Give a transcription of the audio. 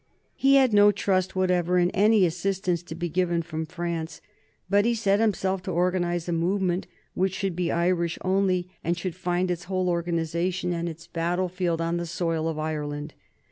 He had no trust whatever in any assistance to be given from France, but he set himself to organize a movement which should be Irish only and should find its whole organization and its battle field on the soil of Ireland.